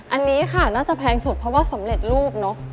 อันนี้ค่ะน่าจะแพงสุดเพราะว่าสำเร็จรูปเนอะ